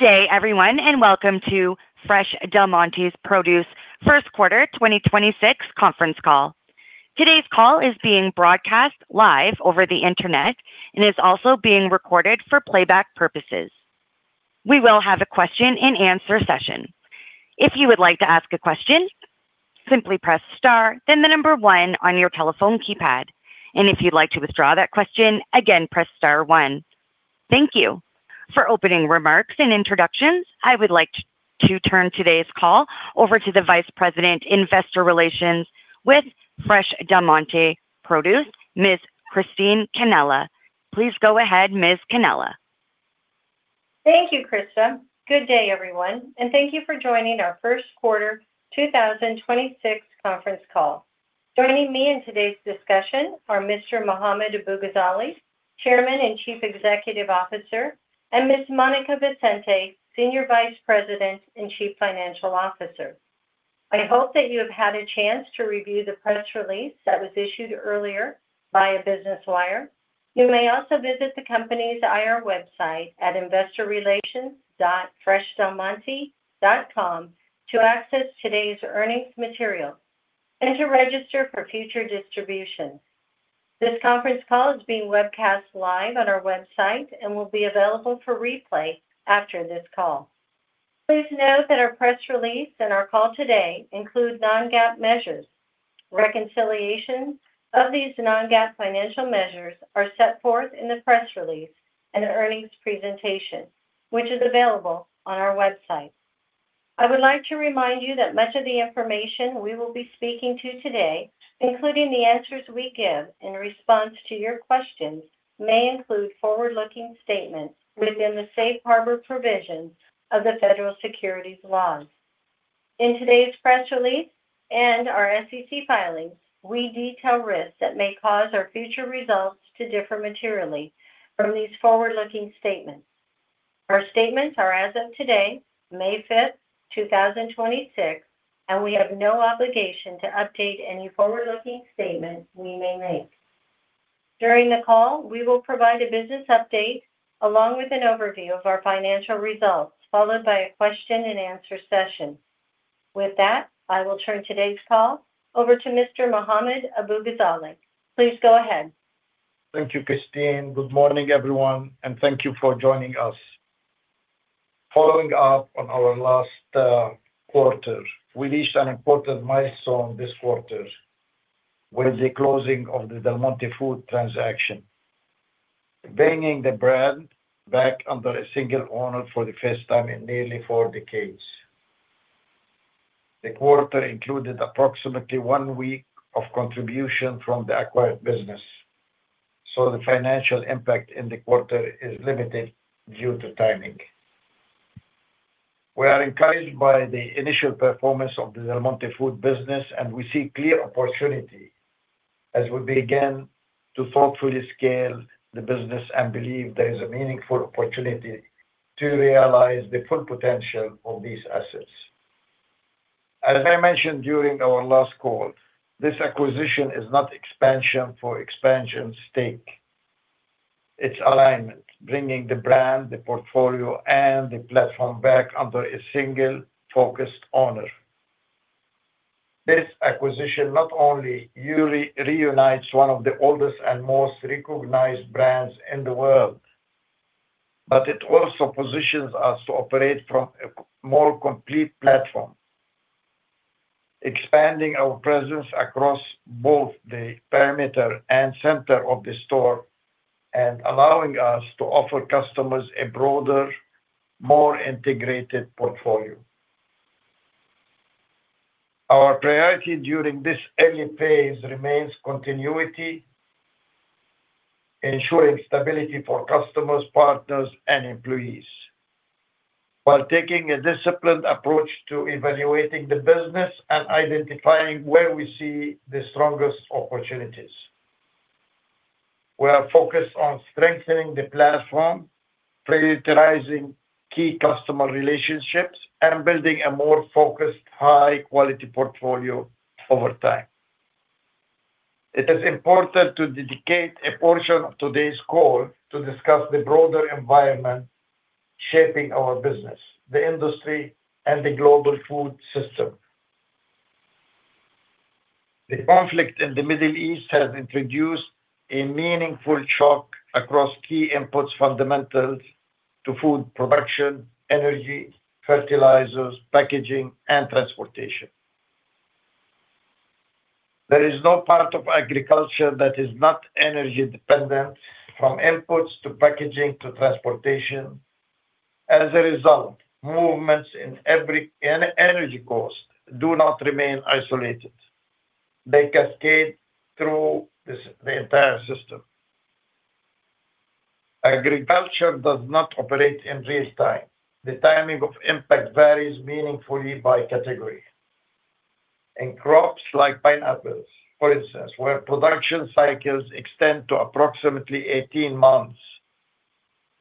Good day everyone, welcome to Fresh Del Monte Produce Q1 2026 Conference Call. Today's call is being broadcast live over the Internet and is also being recorded for playback purposes. We will have a question and answer session. If you would like to ask a question, simply press star then the number one on your telephone keypad. If you'd like to withdraw that question, again, press star one. Thank you. For opening remarks and introductions, I would like to turn today's call over to the Vice President, Investor Relations with Fresh Del Monte Produce, Ms. Christine Cannella. Please go ahead, Ms. Cannella. Thank you, Krista. Good day everyone, and thank you for joining our Q1 2026 conference call. Joining me in today's discussion are Mr. Mohammad Abu-Ghazaleh, Chairman and Chief Executive Officer, and Ms. Monica Vicente, Senior Vice President and Chief Financial Officer. I hope that you have had a chance to review the press release that was issued earlier via Business Wire. You may also visit the company's IR website at investorrelations.freshdelmonte.com to access today's earnings material and to register for future distribution. This conference call is being webcast live on our website and will be available for replay after this call. Please note that our press release and our call today include non-GAAP measures. Reconciliations of these non-GAAP financial measures are set forth in the press release and earnings presentation, which is available on our website. I would like to remind you that much of the information we will be speaking to today, including the answers we give in response to your questions, may include forward-looking statements within the Safe Harbor provisions of the Federal Securities laws. In today's press release and our SEC filings, we detail risks that may cause our future results to differ materially from these forward-looking statements. Our statements are as of today, May 5, 2026, and we have no obligation to update any forward-looking statement we may make. During the call, we will provide a business update along with an overview of our financial results, followed by a question and answer session. With that, I will turn today's call over to Mr. Mohammad Abu-Ghazaleh. Please go ahead. Thank you, Christine. Good morning, everyone, and thank you for joining us. Following up on our last quarter, we reached an important milestone this quarter with the closing of the Del Monte Foods transaction, bringing the brand back under a single owner for the first time in nearly four decades. The quarter included approximately one week of contribution from the acquired business, so the financial impact in the quarter is limited due to timing. We are encouraged by the initial performance of the Del Monte Foods business, and we see clear opportunity as we begin to thoughtfully scale the business and believe there is a meaningful opportunity to realize the full potential of these assets. As I mentioned during our last call, this acquisition is not expansion for expansion's sake. It's alignment, bringing the brand, the portfolio, and the platform back under a single focused owner. This acquisition not only reunites one of the oldest and most recognized brands in the world, but it also positions us to operate from a more complete platform, expanding our presence across both the perimeter and center of the store and allowing us to offer customers a broader, more integrated portfolio. Our priority during this early phase remains continuity, ensuring stability for customers, partners, and employees while taking a disciplined approach to evaluating the business and identifying where we see the strongest opportunities. We are focused on strengthening the platform, prioritizing key customer relationships, and building a more focused, high-quality portfolio over time. It is important to dedicate a portion of today's call to discuss the broader environment shaping our business, the industry, and the global food system. The conflict in the Middle East has introduced a meaningful shock across key inputs fundamentals to food production, energy, fertilizers, packaging, and transportation. There is no part of agriculture that is not energy-dependent, from inputs to packaging to transportation. As a result, movements in every energy cost do not remain isolated. They cascade through the entire system. Agriculture does not operate in real time. The timing of impact varies meaningfully by category. In crops like pineapples, for instance, where production cycles extend to approximately 18 months,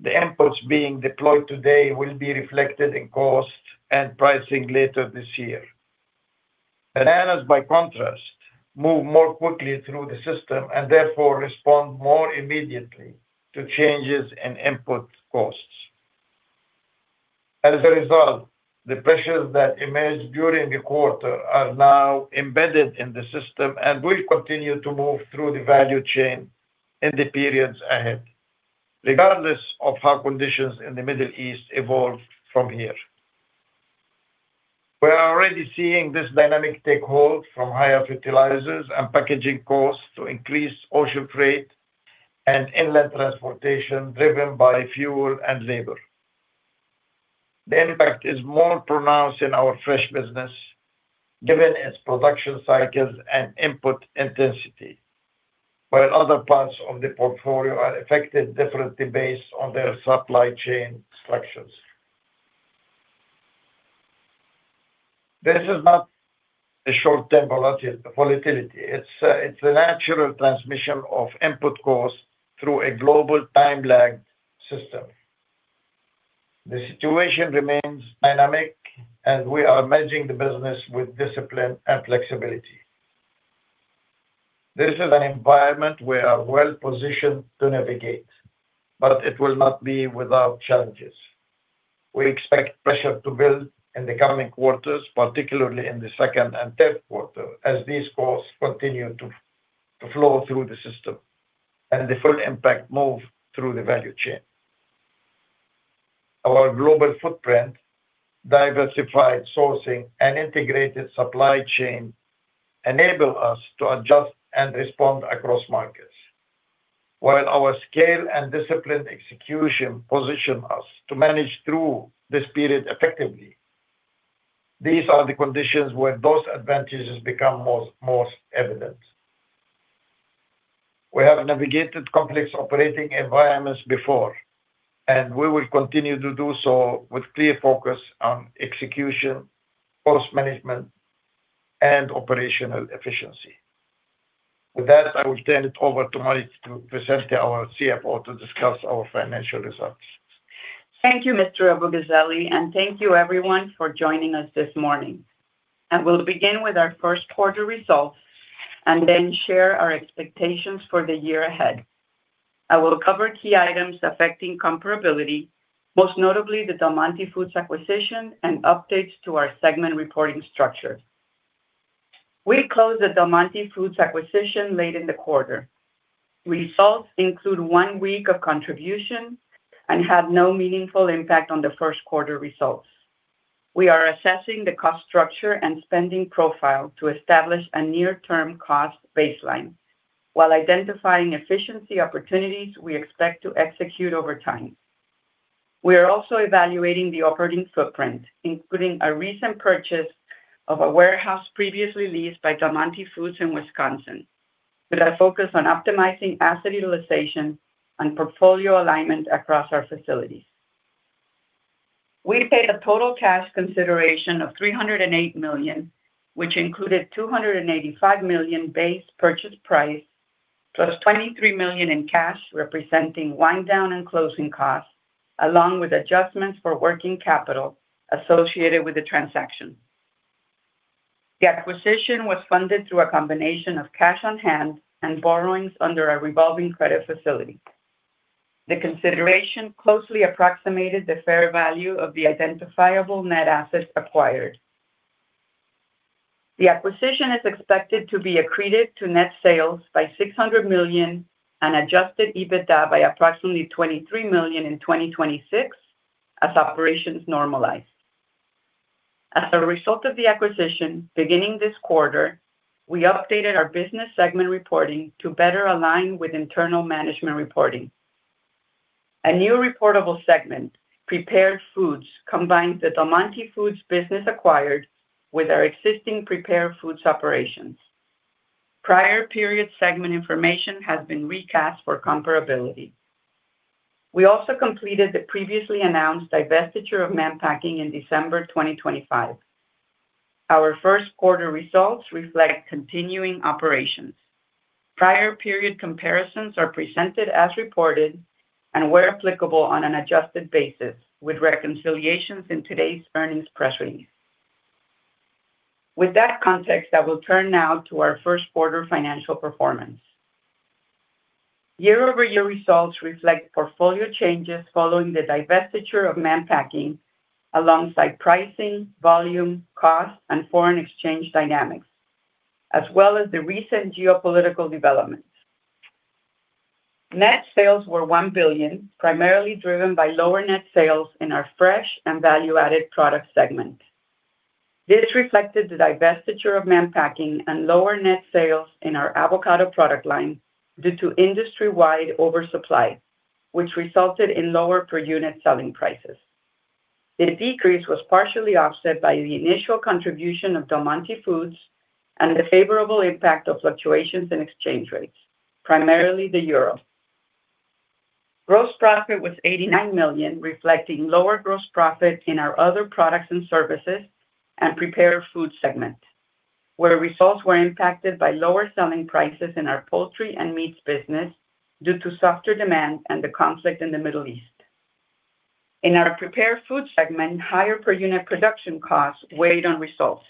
the inputs being deployed today will be reflected in cost and pricing later this year. Bananas, by contrast, move more quickly through the system and therefore respond more immediately to changes in input costs. As a result, the pressures that emerged during the quarter are now embedded in the system and will continue to move through the value chain in the periods ahead, regardless of how conditions in the Middle East evolve from here. We are already seeing this dynamic take hold from higher fertilizers and packaging costs to increased ocean freight and inland transportation driven by fuel and labor. The impact is more pronounced in our fresh business, given its production cycles and input intensity, while other parts of the portfolio are affected differently based on their supply chain structures. This is not a short-term volatility. It's a natural transmission of input costs through a global time-lagged system. The situation remains dynamic, and we are managing the business with discipline and flexibility. This is an environment we are well-positioned to navigate, but it will not be without challenges. We expect pressure to build in the coming quarters, particularly in the Q2 and Q3, as these costs continue to flow through the system and the full impact move through the value chain. Our global footprint, diversified sourcing, and integrated supply chain enable us to adjust and respond across markets, while our scale and disciplined execution position us to manage through this period effectively. These are the conditions where those advantages become most evident. We have navigated complex operating environments before. We will continue to do so with clear focus on execution, cost management, and operational efficiency. With that, I will turn it over to Monica Vicente, our CFO, to discuss our financial results. Thank you, Mr. Mohammad Abu-Ghazaleh, and thank you everyone for joining us this morning. I will begin with our Q1 results and then share our expectations for the year ahead. I will cover key items affecting comparability, most notably the Del Monte Foods acquisition and updates to our segment reporting structure. We closed the Del Monte Foods acquisition late in the quarter. Results include one week of contribution and have no meaningful impact on the Q1 results. We are assessing the cost structure and spending profile to establish a near-term cost baseline while identifying efficiency opportunities we expect to execute over time. We are also evaluating the operating footprint, including a recent purchase of a warehouse previously leased by Del Monte Foods in Wisconsin with a focus on optimizing asset utilization and portfolio alignment across our facilities. We paid a total cash consideration of $308 million, which included $285 million base purchase price, plus $23 million in cash, representing wind down and closing costs, along with adjustments for working capital associated with the transaction. The acquisition was funded through a combination of cash on hand and borrowings under a revolving credit facility. The consideration closely approximated the fair value of the identifiable net assets acquired. The acquisition is expected to be accretive to net sales by $600 million and Adjusted EBITDA by approximately $23 million in 2026 as operations normalize. As a result of the acquisition, beginning this quarter, we updated our Business segment reporting to better align with internal management reporting. A new reportable segment, Prepared Foods, combines the Del Monte Foods business acquired with our existing Prepared Foods operations. Prior period segment information has been recast for comparability. We also completed the previously announced divestiture of Mann Packing in December 2025. Our Q1 results reflect continuing operations. Prior period comparisons are presented as reported and where applicable on an adjusted basis with reconciliations in today's earnings press release. With that context, I will turn now to our Q1 financial performance. Year-over-year results reflect portfolio changes following the divestiture of Mann Packing alongside pricing, volume, cost, and foreign exchange dynamics, as well as the recent geopolitical developments. Net sales were $1 billion, primarily driven by lower net sales in our Fresh and Value-Added Product segment. This reflected the divestiture of Mann Packing and lower net sales in our avocado product line due to industry-wide oversupply, which resulted in lower per unit selling prices. The decrease was partially offset by the initial contribution of Del Monte Foods and the favorable impact of fluctuations in exchange rates, primarily the euro. Gross profit was $89 million, reflecting lower gross Other Products and Services and prepared foods segment, where results were impacted by lower selling prices in our poultry and meats business due to softer demand and the conflict in the Middle East. In our Prepared Foods segment, higher per unit production costs weighed on results.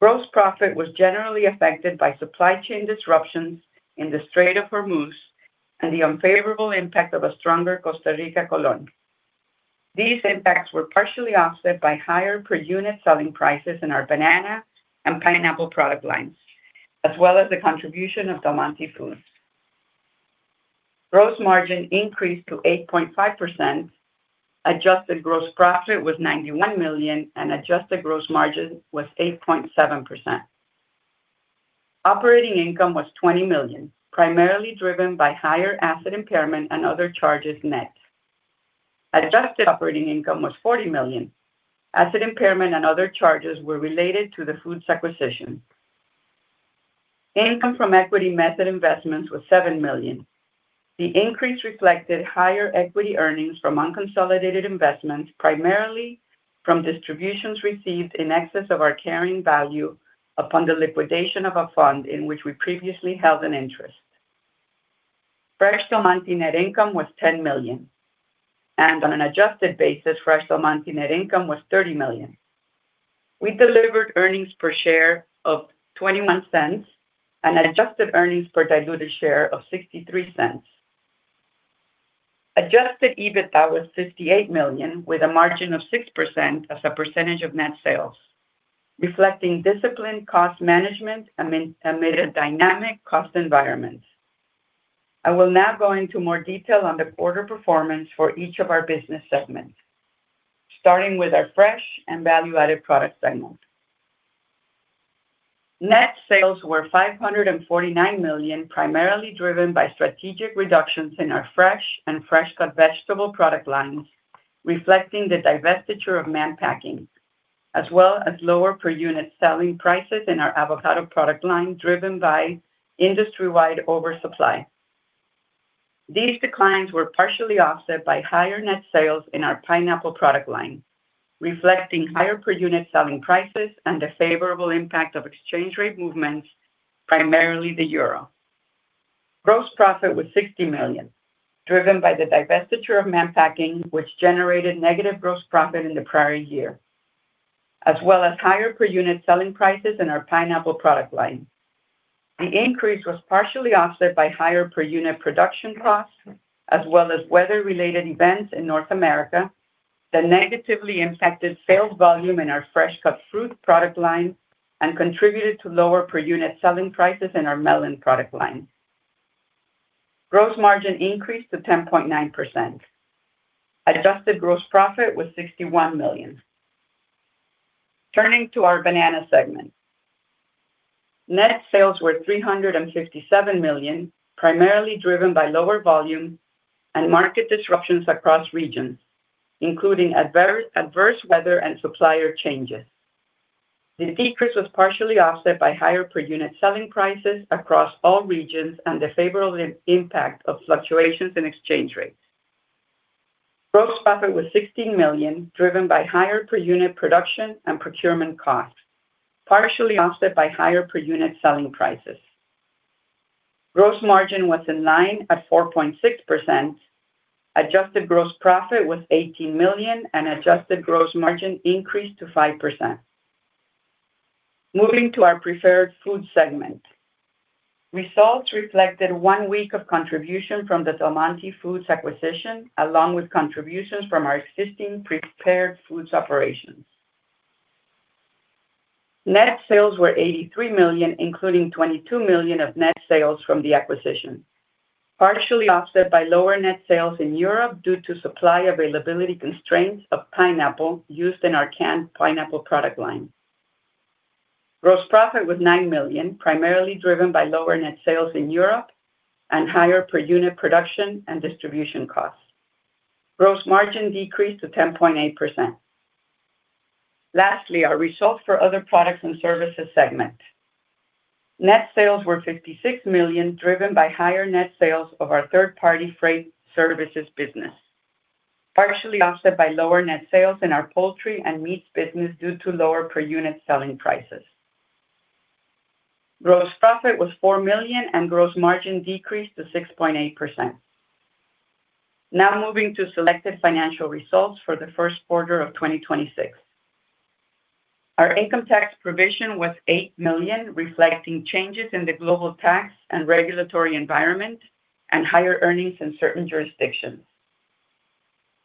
Gross profit was generally affected by supply chain disruptions in the Strait of Hormuz and the unfavorable impact of a stronger Costa Rican Colón. These impacts were partially offset by higher per unit selling prices in our Banana and pineapple product lines, as well as the contribution of Del Monte Foods. Gross margin increased to 8.5%. Adjusted gross profit was $91 million, and adjusted gross margin was 8.7%. Operating income was $20 million, primarily driven by higher asset impairment and other charges net. Adjusted operating income was $40 million. Asset impairment and other charges were related to the Prepared Foods acquisition. Income from equity method investments was $7 million. The increase reflected higher equity earnings from unconsolidated investments, primarily from distributions received in excess of our carrying value upon the liquidation of a fund in which we previously held an interest. Fresh Del Monte net income was $10 million, and on an adjusted basis, Fresh Del Monte net income was $30 million. We delivered earnings per share of $0.21 and adjusted earnings per diluted share of $0.63. Adjusted EBITDA was $58 million, with a margin of 6% as a percentage of net sales, reflecting disciplined cost management amid a dynamic cost environment. I will now go into more detail on the quarter performance for each of our business segments, starting with our Fresh and Value-Added Product segment. Net sales were $549 million, primarily driven by strategic reductions in our fresh and fresh cut vegetable product lines, reflecting the divestiture of Mann Packing, as well as lower per unit selling prices in our avocado product line, driven by industry-wide oversupply. These declines were partially offset by higher net sales in our pineapple product line, reflecting higher per unit selling prices and the favorable impact of exchange rate movements, primarily the euro. Gross profit was $60 million, driven by the divestiture of Mann Packing, which generated negative gross profit in the prior year, as well as higher per unit selling prices in our pineapple product line. The increase was partially offset by higher per unit production costs, as well as weather-related events in North America that negatively impacted sales volume in our fresh cut fruit product line and contributed to lower per unit selling prices in our melon product line. Gross margin increased to 10.9%. Adjusted gross profit was $61 million. Turning to our Banana segment. Net sales were $357 million, primarily driven by lower volume and market disruptions across regions, including adverse weather and supplier changes. The decrease was partially offset by higher per unit selling prices across all regions and the favorable impact of fluctuations in exchange rates. Gross profit was $16 million, driven by higher per unit production and procurement costs, partially offset by higher per unit selling prices. Gross margin was in line at 4.6%. Adjusted gross profit was $18 million, and adjusted gross margin increased to 5%. Moving to our Prepared Foods segment. Results reflected one week of contribution from the Del Monte Foods acquisition, along with contributions from our existing Prepared Foods operations. Net sales were $83 million, including $22 million of net sales from the acquisition, partially offset by lower net sales in Europe due to supply availability constraints of pineapple used in our canned pineapple product line. Gross profit was $9 million, primarily driven by lower net sales in Europe and higher per unit production and distribution costs. Gross margin decreased to 10.8%. Lastly, results for Other Products and Services segment. Net sales were $56 million, driven by higher net sales of our third-party freight services business, partially offset by lower net sales in our poultry and meats business due to lower per unit selling prices. Gross profit was $4 million, and gross margin decreased to 6.8%. Moving to selected financial results for the Q1 of 2026. Our income tax provision was $8 million, reflecting changes in the global tax and regulatory environment and higher earnings in certain jurisdictions.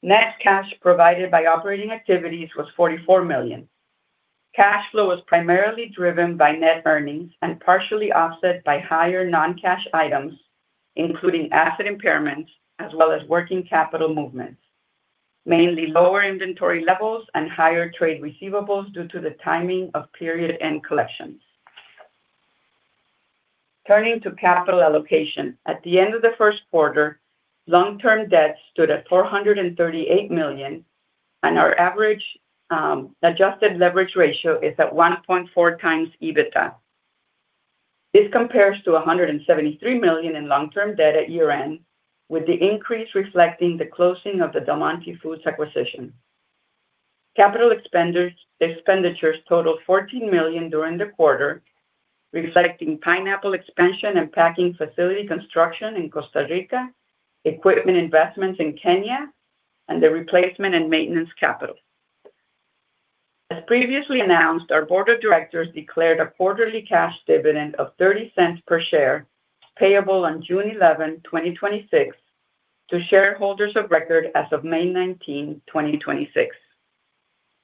Net cash provided by operating activities was $44 million. Cash flow was primarily driven by net earnings and partially offset by higher non-cash items, including asset impairments, as well as working capital movements, mainly lower inventory levels and higher trade receivables due to the timing of period-end collections. Turning to capital allocation, at the end of the Q1, long-term debt stood at $438 million, and our average adjusted leverage ratio is at 1.4x EBITDA. This compares to $173 million in long-term debt at year-end, with the increase reflecting the closing of the Del Monte Foods acquisition. Capital expenditures totaled $14 million during the quarter, reflecting pineapple expansion and packing facility construction in Costa Rica, equipment investments in Kenya, and the replacement and maintenance capital. As previously announced, our board of directors declared a quarterly cash dividend of $0.30 per share payable on June 11, 2026, to shareholders of record as of May 19, 2026.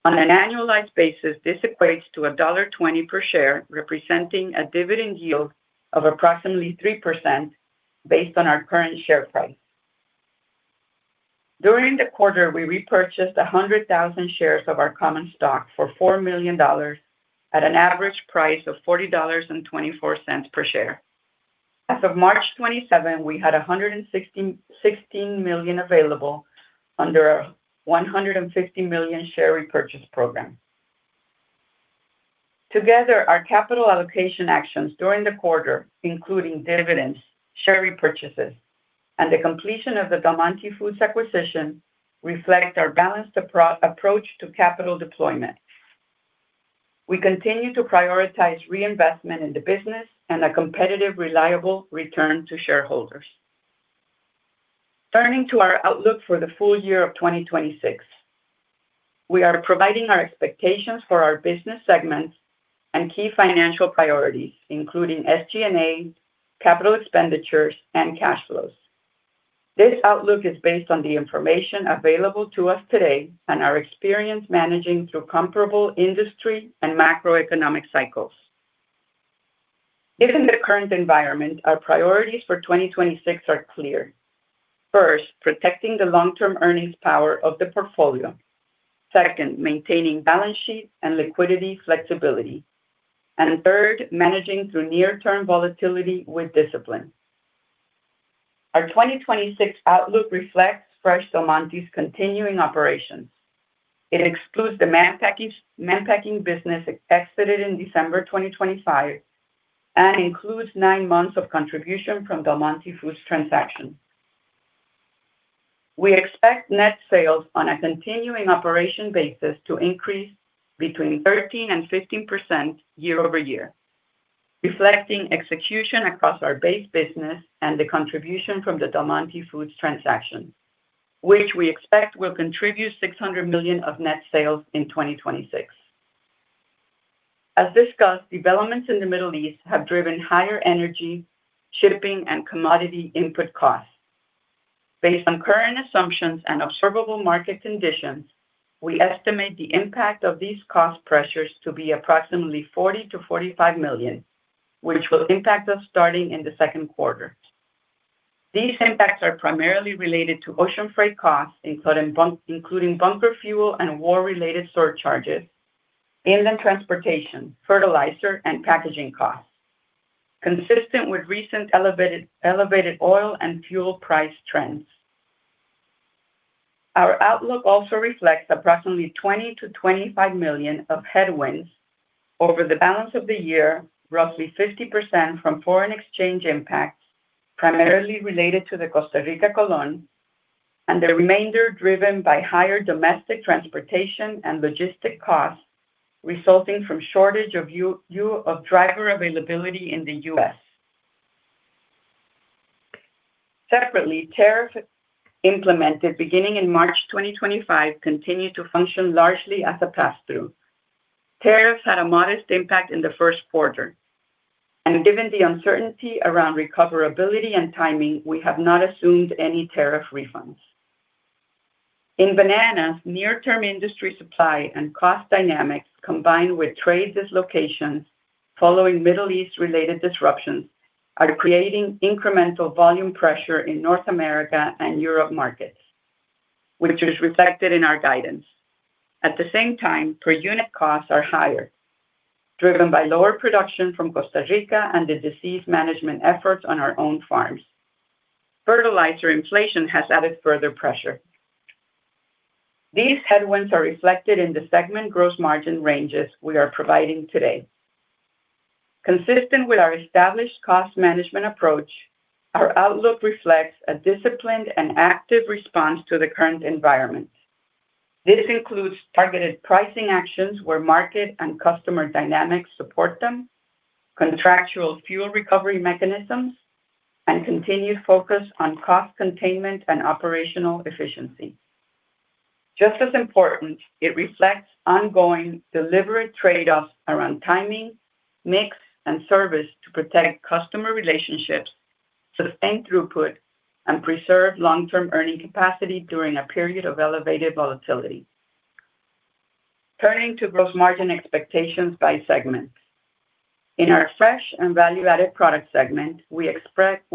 On an annualized basis, this equates to $1.20 per share, representing a dividend yield of approximately 3% based on our current share price. During the quarter, we repurchased 100,000 shares of our common stock for $4 million at an average price of $40.24 per share. As of March 27, we had $160 million available under a $150 million share repurchase program. Together, our capital allocation actions during the quarter, including dividends, share repurchases, and the completion of the Del Monte Foods acquisition, reflect our balanced approach to capital deployment. We continue to prioritize reinvestment in the business and a competitive, reliable return to shareholders. Turning to our outlook for the full year of 2026. We are providing our expectations for our Business segments and key financial priorities, including SG&A, capital expenditures, and cash flows. This outlook is based on the information available to us today and our experience managing through comparable industry and macroeconomic cycles. Given the current environment, our priorities for 2026 are clear. First, protecting the long-term earnings power of the portfolio. Second, maintaining balance sheet and liquidity flexibility. Third, managing through near-term volatility with discipline. Our 2026 outlook reflects Fresh Del Monte Produce's continuing operations. It excludes the Mann Packing business exited in December 2025 and includes nine months of contribution from Del Monte Foods transaction. We expect net sales on a continuing operation basis to increase between 13% and 15% year-over-year, reflecting execution across our base business and the contribution from the Del Monte Foods transaction, which we expect will contribute $600 million of net sales in 2026. As discussed, developments in the Middle East have driven higher energy, shipping, and commodity input costs. Based on current assumptions and observable market conditions, we estimate the impact of these cost pressures to be approximately $40 million-$45 million, which will impact us starting in the Q2. These impacts are primarily related to ocean freight costs, including bunker fuel and war-related surcharges, inland transportation, fertilizer, and packaging costs, consistent with recent elevated oil and fuel price trends. Our outlook also reflects approximately $20 million-$25 million of headwinds over the balance of the year, roughly 50% from foreign exchange impacts, primarily related to the Costa Rica colon, and the remainder driven by higher domestic transportation and logistic costs resulting from shortage of driver availability in the U.S. Separately, tariffs implemented beginning in March 2025 continue to function largely as a passthrough. Tariffs had a modest impact in the Q1. Given the uncertainty around recoverability and timing, we have not assumed any tariff refunds. In Bananas, near-term industry supply and cost dynamics, combined with trade dislocations following Middle East-related disruptions, are creating incremental volume pressure in North America and Europe markets, which is reflected in our guidance. At the same time, per unit costs are higher, driven by lower production from Costa Rica and the disease management efforts on our own farms. Fertilizer inflation has added further pressure. These headwinds are reflected in the segment gross margin ranges we are providing today. Consistent with our established cost management approach, our outlook reflects a disciplined and active response to the current environment. This includes targeted pricing actions where market and customer dynamics support them, contractual fuel recovery mechanisms, and continued focus on cost containment and operational efficiency. Just as important, it reflects ongoing deliberate trade-offs around timing, mix, and service to protect customer relationships, sustain throughput, and preserve long-term earning capacity during a period of elevated volatility. Turning to gross margin expectations by segment. In our Fresh and Value-Added Product segment, we expect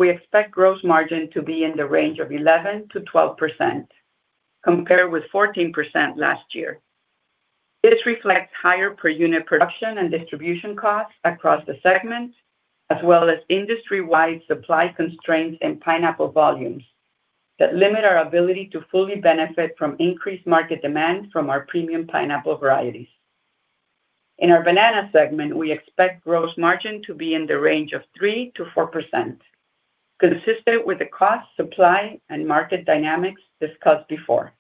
gross margin to be in the range of 11%-12%, compared with 14% last year. This reflects higher per unit production and distribution costs across the segment, as well as industry-wide supply constraints and pineapple volumes that limit our ability to fully benefit from increased market demand from our premium pineapple varieties. In our Banana segment, we expect gross margin to be in the range of 3%-4%, consistent with the cost, supply, and market dynamics discussed before.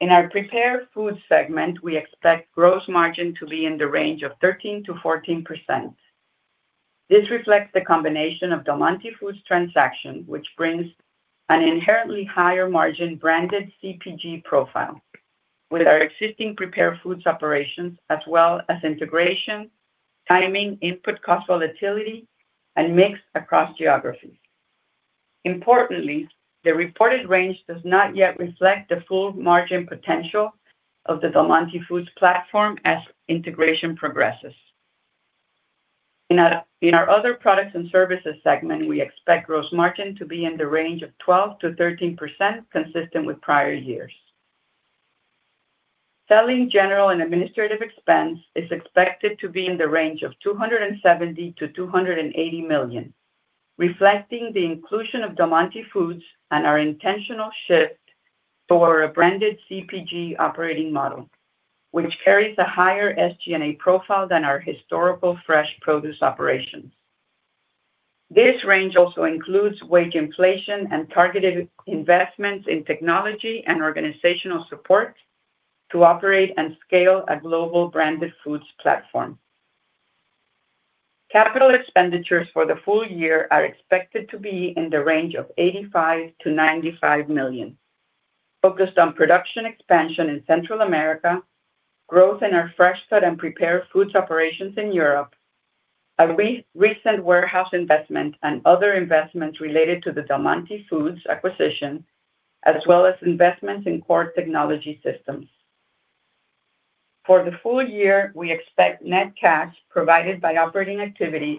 In our Prepared Foods segment, we expect gross margin to be in the range of 13%-14%. This reflects the combination of Del Monte Foods transaction, which brings an inherently higher margin branded CPG profile with our existing Prepared Foods operations, as well as integration, timing, input cost volatility, and mix across geographies. Importantly, the reported range does not yet reflect the full margin potential of the Del Monte Foods platform as integration Other Products and Services segment, we expect gross margin to be in the range of 12%-13%, consistent with prior years. Selling general and administrative expense is expected to be in the range of $270 million-$280 million, reflecting the inclusion of Del Monte Foods and our intentional shift toward a branded CPG operating model, which carries a higher SG&A profile than our historical fresh produce operations. This range also includes wage inflation and targeted investments in technology and organizational support to operate and scale a global branded foods platform. Capital expenditures for the full year are expected to be in the range of $85 million-$95 million, focused on production expansion in Central America, growth in our fresh food and Prepared Foods operations in Europe, a recent warehouse investment and other investments related to the Del Monte Foods acquisition, as well as investments in core technology systems. For the full year, we expect net cash provided by operating activities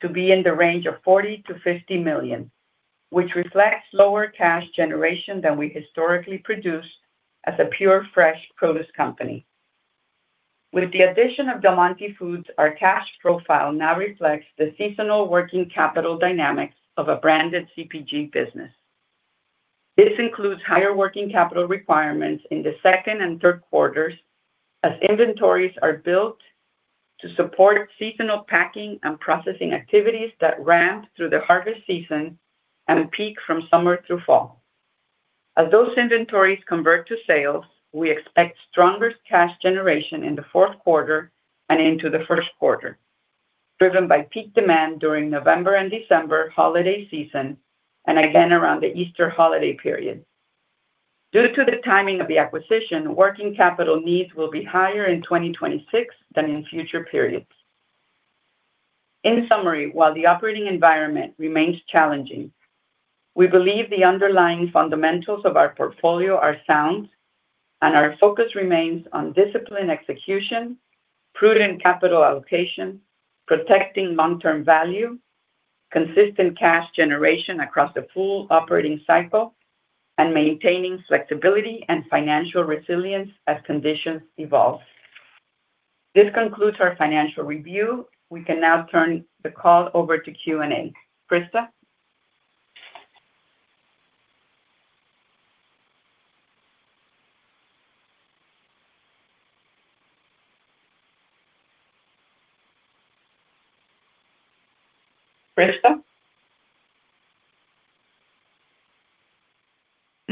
to be in the range of $40 million-$50 million, which reflects lower cash generation than we historically produced as a pure fresh produce company. With the addition of Del Monte Foods, our cash profile now reflects the seasonal working capital dynamics of a branded CPG business. This includes higher working capital requirements in the Q2 and Q3 as inventories are built to support seasonal packing and processing activities that ramp through the harvest season and peak from summer through fall. As those inventories convert to sales, we expect stronger cash generation in the Q4 and into the Q1, driven by peak demand during November and December holiday season and again around the Easter holiday period. Due to the timing of the acquisition, working capital needs will be higher in 2026 than in future periods. In summary, while the operating environment remains challenging, we believe the underlying fundamentals of our portfolio are sound and our focus remains on disciplined execution, prudent capital allocation, protecting long-term value, consistent cash generation across the full operating cycle, and maintaining flexibility and financial resilience as conditions evolve. This concludes our financial review. We can now turn the call over to Q&A. Krista?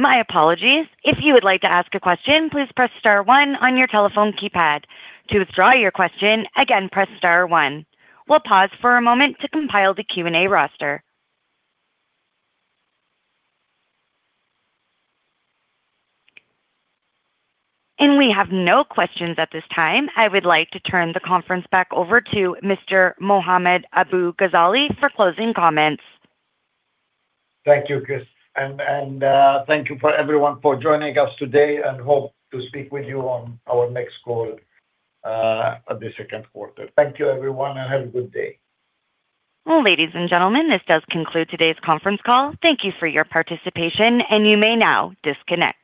My apologies. If you would like to ask a question, please press star one on your telephone keypad. To withdraw your question, again, press star one. We'll pause for a moment to compile the Q&A roster. We have no questions at this time. I would like to turn the conference back over to Mr. Mohammad Abu-Ghazaleh for closing comments. Thank you, Krista. Thank you for everyone for joining us today and hope to speak with you on our next call, at the Q2. Thank you, everyone, and have a good day. Well, ladies and gentlemen, this does conclude today's conference call. Thank you for your participation, and you may now disconnect.